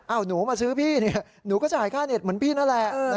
หนูมาซื้อพี่เนี่ยหนูก็จ่ายค่าเน็ตเหมือนพี่นั่นแหละ